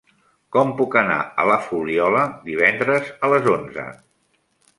Com puc anar a la Fuliola divendres a les onze?